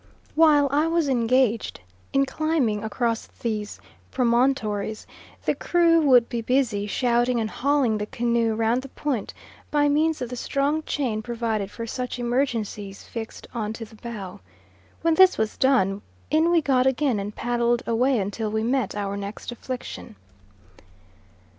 While I was engaged in climbing across these promontories, the crew would be busy shouting and hauling the canoe round the point by means of the strong chain provided for such emergencies fixed on to the bow. When this was done, in we got again and paddled away until we met our next affliction.